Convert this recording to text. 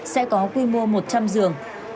sẽ có quy mô một trăm linh giường